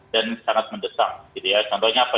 dan sangat mendesak contohnya apa